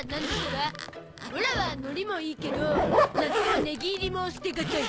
オラはのりもいいけど納豆ネギ入りも捨てがたい。